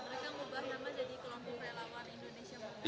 mereka mau bergabung jadi kelompok relawan indonesia muda